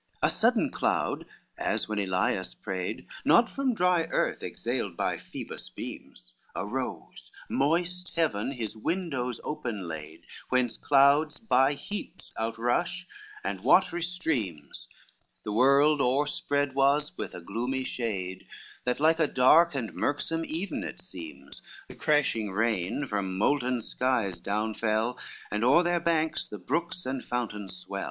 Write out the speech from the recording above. LXXV A sudden cloud, as when Helias prayed, Not from dry earth exhaled by Phoebus' beams, Arose, moist heaven his windows open laid, Whence clouds by heaps out rush, and watery streams, The world o'erspread was with a gloomy shade, That like a dark mirksome even it seems; The crashing rain from molten skies down fell, And o'er their banks the brooks and fountains swell.